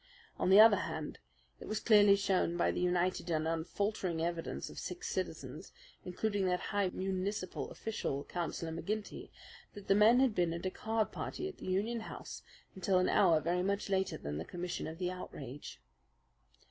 On the other hand, it was clearly shown by the united and unfaltering evidence of six citizens, including that high municipal official, Councillor McGinty, that the men had been at a card party at the Union House until an hour very much later than the commission of the outrage.